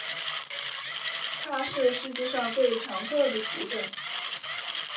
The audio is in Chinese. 它是世界上最长寿的急诊。